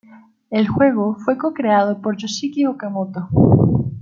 El juego fue co-creado por Yoshiki Okamoto.